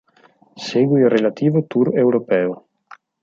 Segue il relativo tour europeo.